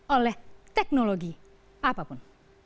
oleh teknologi apapun